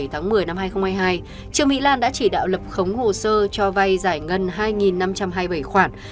trương mỹ lan đã chỉ đạo lập khống hồ sơ cho vai giải ngân hai năm trăm hai mươi bảy khoản